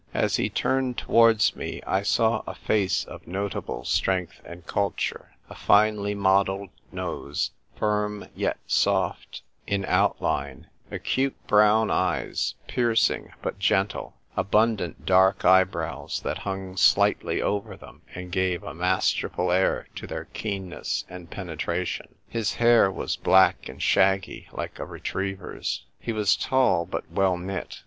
As he turned towards me, I saw a face of notable strength and culture ; a finely modelled nose, firm, yet soft in out A SAIL ON THE HORIZON. II 9 line ; acute brown eyes, piercing, but gentle ; abundant dark eyebrows that hung slightly over them and gave a masterful air to their keenness and penetration. His hair was black and shaggy, like a retriever's. He was tall, but well knit.